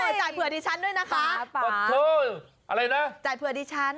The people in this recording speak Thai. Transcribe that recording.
จ่ายเผื่อดิฉันด้วยนะคะปลดเธออะไรนะจ่ายเผื่อดิฉัน